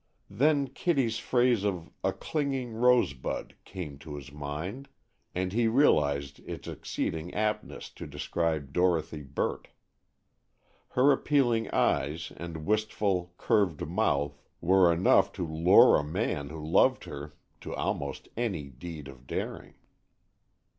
Then Kitty's phrase of "a clinging rosebud" came to his mind, and he realized its exceeding aptness to describe Dorothy Burt. Her appealing eyes and wistful, curved mouth were enough to lure a man who loved her to almost any deed of daring.